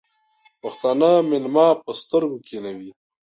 پښتانه مېلمه په سترگو کېنوي.